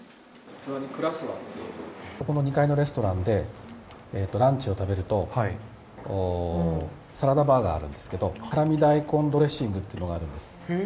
そこの２階のレストランで食べると、サラダバーがあるんですけど、大根ドレッシングっていうのがあるんです。